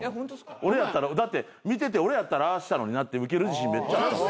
だって見てて俺やったらああしたのになってウケる自信めっちゃある。